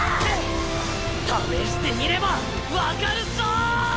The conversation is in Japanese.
試してみれば分かるっしょ！